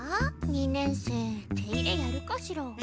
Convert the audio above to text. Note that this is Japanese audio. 二年生手入れやるかしら？